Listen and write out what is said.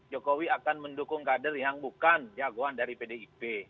jokowi akan mendukung kader yang bukan jagoan dari pdip